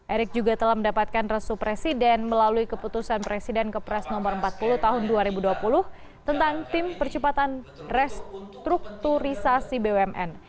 erick juga telah mendapatkan resu presiden melalui keputusan presiden ke pres no empat puluh tahun dua ribu dua puluh tentang tim percepatan restrukturisasi bumn